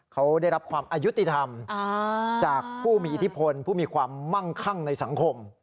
เขาได้รับความอายุติธรรมจากผู้มีอิทธิพลผู้มีความมั่งคั่งในสังคม